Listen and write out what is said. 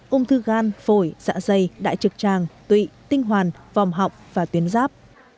ung thư gan phổi dạ dày đại trực tràng tụy tinh hoàn vòng học và tuyến giáp